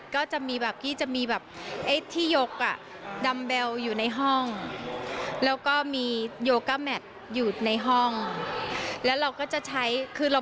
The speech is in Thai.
๔ความคิดว่าจะอยากสร้างเรื่องอ่อนกันของพี่นิโค